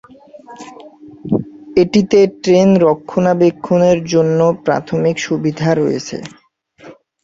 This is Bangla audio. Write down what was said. এটিতে ট্রেন রক্ষণাবেক্ষণের জন্য প্রাথমিক সুবিধা রয়েছে।